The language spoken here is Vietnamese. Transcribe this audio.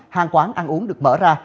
hàng quán ăn uống được mở ra